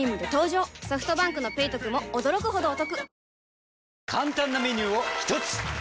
ソフトバンクの「ペイトク」も驚くほどおトク